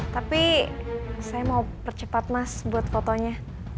tapi saya mau percepat mas buat fotonya